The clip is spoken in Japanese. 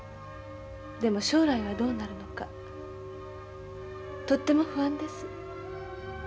でも将来はどうなるのかとっても不安です。